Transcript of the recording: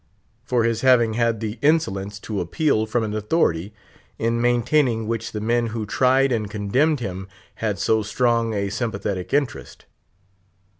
for his having had the insolence to appeal from an authority, in maintaining which the men who tried and condemned him had so strong a sympathetic interest.